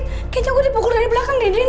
kayaknya gue dipukul dari belakang din din